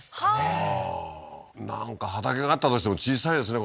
ああーなんか畑があったとしても小さいですね